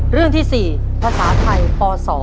เรื่องที่๔ภาษาไทยป๒